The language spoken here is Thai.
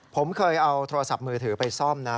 ผมเคยเอาโทรศัพท์มือถือไปซ่อมนะ